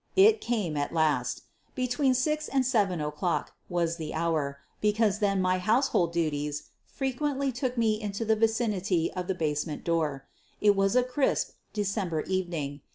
It came at last. Between 6 and 7 o'clock was the hour, because then my household duties frequently took me into the vicinity of the basement door. It was a crisp December evening.